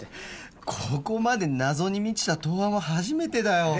ここまで謎に満ちた答案は初めてだよ